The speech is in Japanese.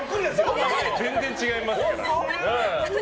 全然違いますから。